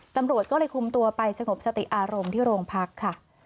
ตำรวจก็เลยคุมตัวไปสงบสติอารมณ์ที่โรงพักค่ะ